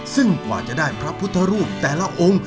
ซึ่งกว่าจะได้พระพุทธรูปแต่ละองค์